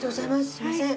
すいません。